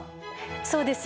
そうです。